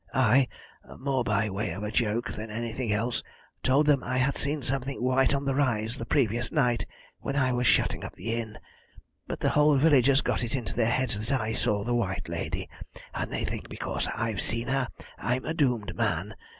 I, more by way of a joke than anything else, told them I had seen something white on the rise the previous night, when I was shutting up the inn. But the whole village has got it into their heads that I saw the White Lady, and they think because I've seen her I'm a doomed man.